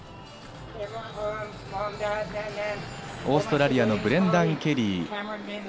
オーストラリアのブレンダン・ケリー。